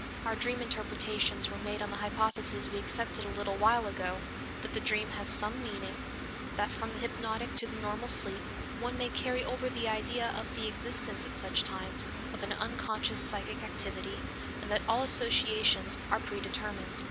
Our dream interpretations were made on the hypotheses we accepted a little while ago, that the dream has some meaning, that from the hypnotic to the normal sleep one may carry over the idea of the existence at such times of an unconscious psychic activity, and that all associations are predetermined.